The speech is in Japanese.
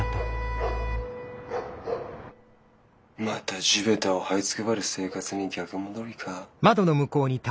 また地べたをはいつくばる生活に逆戻りか。